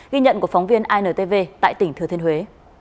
ghi nhận của phóng viên intv tại tỉnh thừa thiên huế